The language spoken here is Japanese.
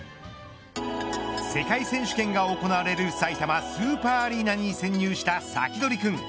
世界選手権が行われるさいたまスーパーアリーナに潜入したサキドリくん。